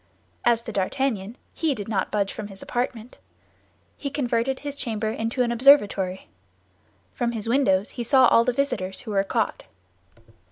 As to D'Artagnan, he did not budge from his apartment. He converted his chamber into an observatory. From his windows he saw all the visitors who were caught.